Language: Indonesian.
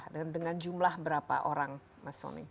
dan dengan jumlah berapa orang mas soni